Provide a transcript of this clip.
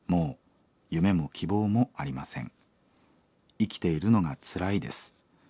生きているのがつらいです。